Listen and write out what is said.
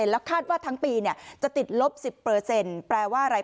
แล้วคาดว่าทั้งปีจะติดลบ๑๐แปลว่าอะไร